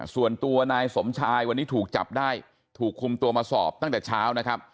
ส่วนตัวนายสมชายวันนี้ถูกจับได้ถูกคุมตัวมาสอบตั้งแต่เช้านะครับ